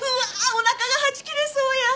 おなかがはち切れそうや。